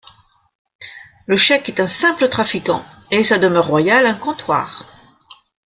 Le cheik est un simple trafiquant, et sa demeure royale un comptoir.